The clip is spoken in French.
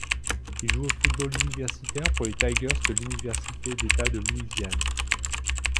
Il joue au football universitaire pour les Tigers de l'université d'État de Louisiane.